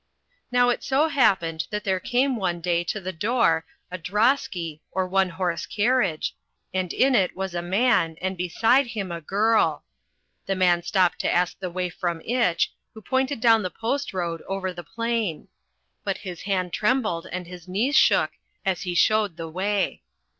Now it so happened that there came one day to the door a drosky, or one horse carriage, and in it was a man and beside him a girl. The man stopped to ask the way from Itch, who pointed down the post road over the plain. But his hand trembled and his knees shook as he showed the way.